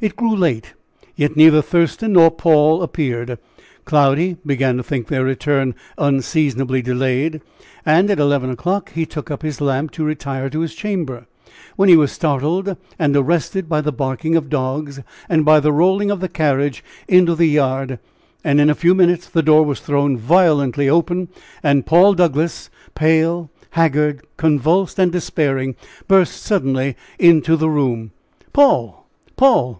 It grew late, yet neither Thurston nor Paul appeared. Cloudy began to think their return unseasonably delayed, and at eleven o'clock he took up his lamp to retire to his chamber, when he was startled and arrested by the barking of dogs, and by the rolling of the carriage into the yard, and in a few minutes the door was thrown violently open, and Paul Douglass, pale, haggard, convulsed and despairing, burst suddenly into the room. "Paul! Paul!